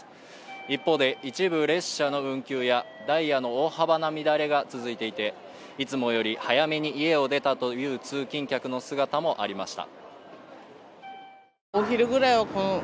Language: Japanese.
一方で一部列車の運休やダイヤの大幅な乱れが続いていていつもより早めに家を出たという通勤客の姿もありました